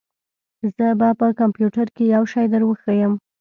زه به په کمپيوټر کښې يو شى دروښييم.